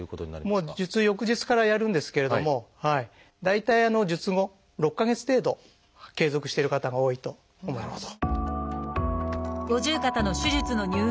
もう術翌日からやるんですけれども大体術後６か月程度継続してる方が多いと思います。